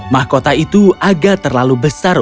mahkota itu agak terlalu besar